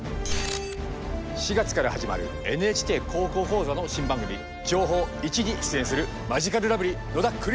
４月から始まる「ＮＨＫ高校講座」の新番組「情報Ⅰ」に出演するマヂカルラブリー野田クリスタルだぜ！